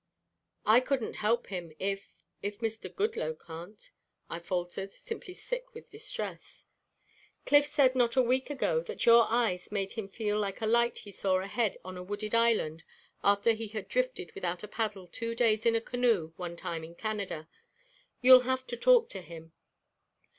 "I couldn't help him if if Mr. Goodloe can't," I faltered, simply sick with distress. "Cliff said not a week ago that your eyes made him feel like a light he saw ahead on a wooded island after he had drifted without a paddle two days in a canoe one time in Canada. You'll have to talk to him.